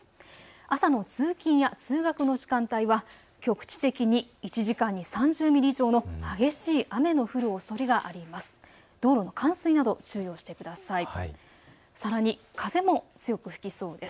朝の通勤や通学の時間帯は局地的に１時間に３０ミリ以上の激しい雨の降るおそれがありそうです。